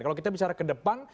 kalau kita bicara ke depan